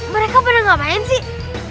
mereka pernah gak main sih